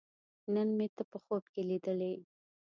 نن مې ته په خوب کې لیدلې